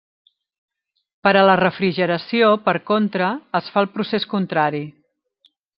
Per a la refrigeració, per contra, es fa el procés contrari.